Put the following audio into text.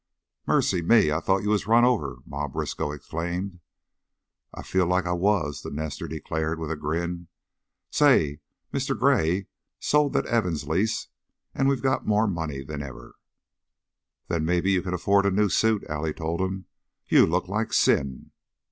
"Mercy me! I thought you was run over," Ma Briskow exclaimed. "I feel like I was," the nester declared, with a grin. "Say! Mister Gray sold the Evans lease an' we got more money than ever." "Then mebbe you can afford a new suit," Allie told him. "You look like sin."